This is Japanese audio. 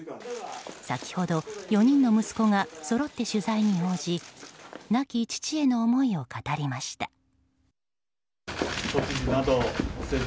先ほど、４人の息子がそろって取材に応じ亡き父への思いを語りました。